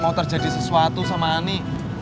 mau terjadi sesuatu sama ani